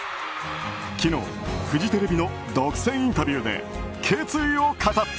昨日、フジテレビの独占インタビューで決意を語った。